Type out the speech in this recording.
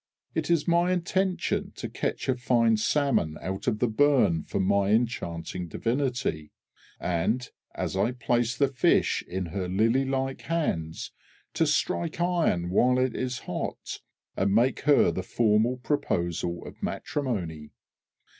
it is my intention to catch a fine salmon out of the burn for my enchanting divinity, and, as I place the fish in her lily like hands, to strike iron while it is hot and make her the formal proposal of matrimony.